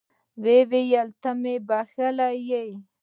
وایي ته مې یې بښلی